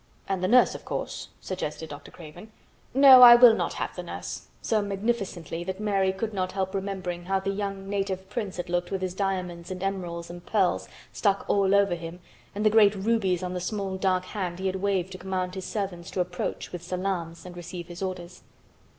"And the nurse, of course?" suggested Dr. Craven. "No, I will not have the nurse," so magnificently that Mary could not help remembering how the young native Prince had looked with his diamonds and emeralds and pearls stuck all over him and the great rubies on the small dark hand he had waved to command his servants to approach with salaams and receive his orders.